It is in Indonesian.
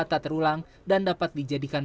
tak terulang dan dapat dijadikan